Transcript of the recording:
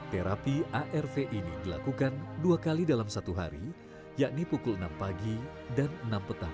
terapi arv ini dilakukan dua kali dalam satu hari yakni pukul enam pagi dan enam petang